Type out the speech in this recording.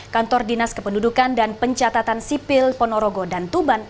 kantor dinas kependudukan dan pencatatan sipil ponorogo dan tuban